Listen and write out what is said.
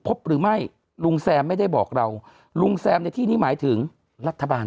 พบหรือไม่ลุงแซมไม่ได้บอกเราลุงแซมในที่นี้หมายถึงรัฐบาล